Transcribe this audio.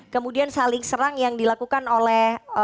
kemudian saling serang yang dilakukan oleh